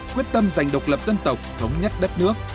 quyết tâm giành độc lập dân tộc thống nhất đất nước